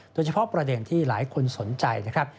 โดยเฉพาะประเด็นที่หลายคนสนใจนะครับ